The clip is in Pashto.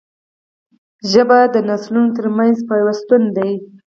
ژبه د نسلونو ترمنځ پیوستون دی